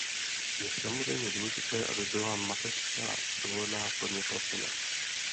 Je samozřejmě důležité, aby byla mateřská dovolená plně placena.